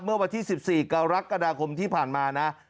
เมื่อวันที่๑๔กรกฎาคมที่ผ่านมานะ